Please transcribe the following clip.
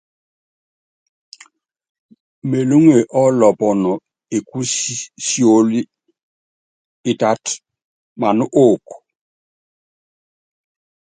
Melúŋe ɔ́lɔpɔnɔ ékúsi siólí ítátɔ́ maná oko.